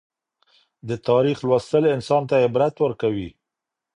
د تاریخ لوستل انسان ته عبرت ورکوي.